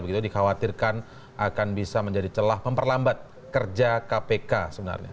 begitu dikhawatirkan akan bisa menjadi celah memperlambat kerja kpk sebenarnya